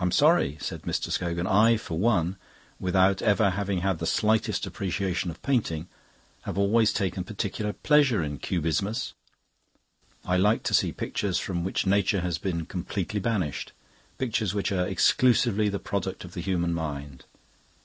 "I'm sorry," said Mr. Scogan. "I for one, without ever having had the slightest appreciation of painting, have always taken particular pleasure in Cubismus. I like to see pictures from which nature has been completely banished, pictures which are exclusively the product of the human mind.